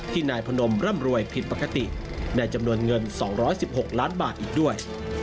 นายพนมร่ำรวยผิดปกติในจำนวนเงิน๒๑๖ล้านบาทอีกด้วย